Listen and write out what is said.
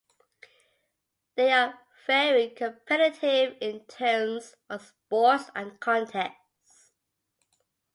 They are very competitive in terms on sports and contests.